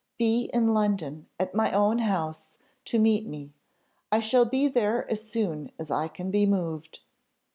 Be in London, at my own house, to meet me. I shall be there as soon as I can be moved."